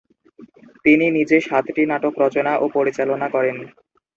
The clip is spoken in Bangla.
তিনি নিজে সাতটি নাটক রচনা ও পরিচালনা করেন।